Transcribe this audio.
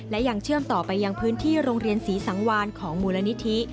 และยังเชื่อมต่อไปยังพื้นที่โรงเรียนศรีสังวานของมูลนิธิ